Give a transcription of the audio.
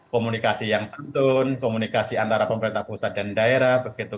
komunikasi yang santun komunikasi antara pemerintah pusat dan daerah begitu